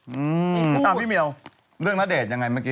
ไหนตามพี่เมียวเรื่องณเดชยังไงเมื่อกี้